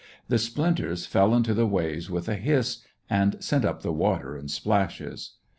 The splinters fell into the waves with a hiss, and sent up the water in splashes.